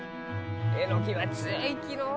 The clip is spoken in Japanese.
えのきは強いきのー。